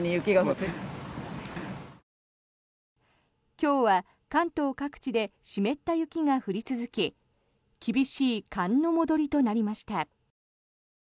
今日は関東各地で湿った雪が降り続き厳しい寒の戻りとなりました。